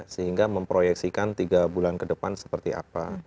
sehingga memproyeksikan tiga bulan ke depan seperti apa